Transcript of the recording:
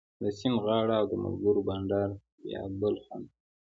د سیند غاړه او د ملګرو بنډار بیا بل خوند کوي